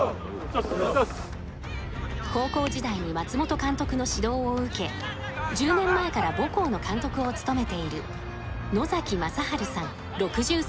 高校時代に松本監督の指導を受け１０年前から母校の監督を務めている野崎正治さん６３歳。